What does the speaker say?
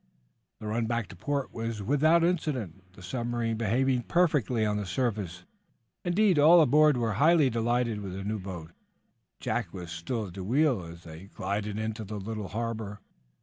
The run back to port was without incident, the submarine behaving perfectly on the surface. Indeed, all aboard were highly delighted with the new boat. Jack was still at the wheel as they glided into the little harbor.